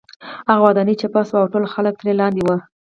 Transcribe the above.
هغه ودانۍ چپه شوې وه او ټول خلک ترې لاندې وو